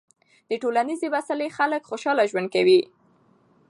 د ټولنیزې وصلۍ خلک خوشحاله ژوند کوي.